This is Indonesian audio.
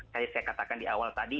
tadi saya katakan di awal tadi